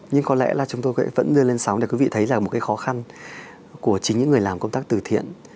nhưng có lẽ là chúng tôi vẫn đưa lên sóng để quý vị thấy rằng một cái khó khăn của chính những người làm công tác từ thiện